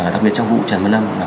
đặc biệt trong vụ trần mân lâm